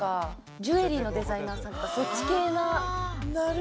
ジュエリーのデザイナーさんとか、そっち系の。